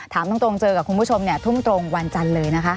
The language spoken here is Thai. ถามตรงเจอกับคุณผู้ชมทุ่มตรงวันจันทร์เลยนะคะ